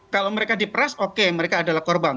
kalau mereka diperas oke mereka adalah korban